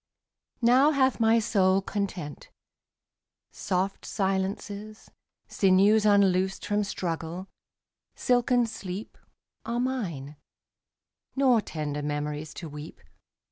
Now hath my soul content. Soft silences, Sinews unloosed from struggle, silken sleep, 27 Are mine; nor tender memories to weep.